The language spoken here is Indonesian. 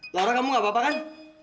larang kamu gak apa apa kan